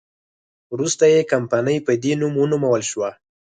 وروسته یې کمپنۍ په دې نوم ونومول شوه.